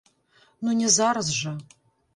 Ну не зараз жа.